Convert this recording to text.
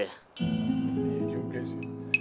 iya juga sih